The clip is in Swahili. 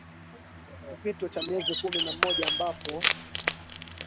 mpito cha miezi kumi na moja ambapo